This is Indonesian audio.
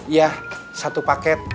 iya satu paket